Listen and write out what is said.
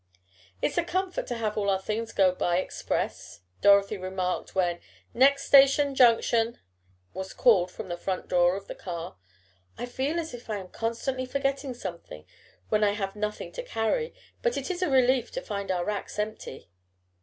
"It's a comfort to have all our things go by express," Dorothy remarked when "Next station Junction!" was called from the front door of the car. "I feel as if I am constantly forgetting something, when I have nothing to carry, but it is a relief to find our racks empty."